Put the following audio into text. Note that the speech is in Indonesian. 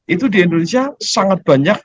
itu di indonesia sangat banyak